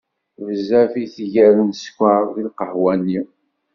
Bezzaf i tger n sskeṛ deg lqahwa-nni.